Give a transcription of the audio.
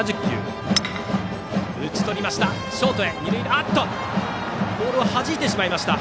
打ち取りました。